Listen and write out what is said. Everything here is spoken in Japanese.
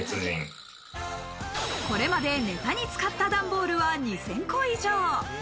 これまでネタに使った段ボールは２０００個以上。